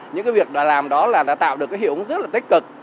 những cái việc làm đó là đã tạo được cái hiệu ứng rất là tích cực